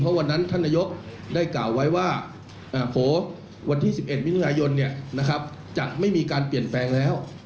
เพราะวันนั้นท่านนายกได้กล่าวไว้ว่าโผล่วันที่๑๑มิถุนายนจะไม่มีการเปลี่ยนแปลงแล้ว